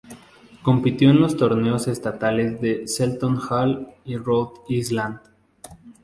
Compitió en los torneos estatales de Seton Hall y Rhode Island.